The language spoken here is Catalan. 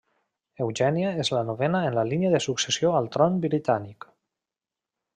Eugènia és la novena en la línia de successió al tron britànic.